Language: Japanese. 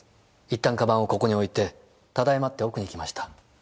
一旦鞄をここに置いて「ただいま」って奥に行きました。